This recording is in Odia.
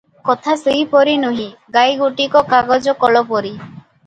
କଥା ସେପରି ନୁହେଁ, ଗାଈ ଗୋଟିକ କାଗଜକଳପରି ।